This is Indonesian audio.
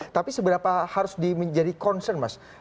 tapi seberapa harus menjadi concern mas